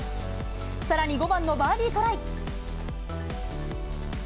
さらに５番のバーディートライ。